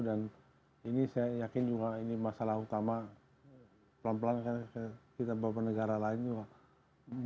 dan ini saya yakin juga ini masalah utama pelan pelan kita beberapa negara lain juga